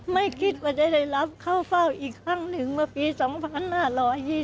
ไม่คิดว่าจะได้รับเข้าเฝ้าอีกครั้งหนึ่งเมื่อปี๒๕๒๐